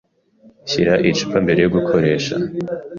Shyira icupa mbere yo gukoresha.